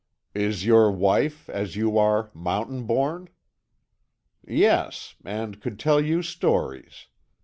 "Is your wife, as you are, mountain born?" "Yes; and could tell you stories.